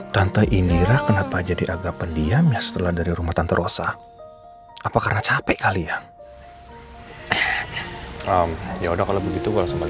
sampai jumpa di video selanjutnya